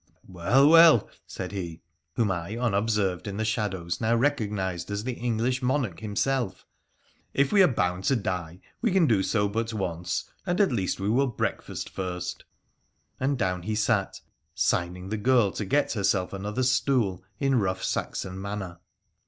' Well, well,' said he — whom I, unobserved in the shadows, now recognised as the English monarch himself —' if we are bound to die, we can do so but once, and at least we will breakfast first,' and down he sat, signing the girl to get herself another stool in rough Saxon manner.